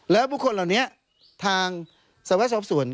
แล้วบุคคลเหล่านี้ทางสวรสอบสวน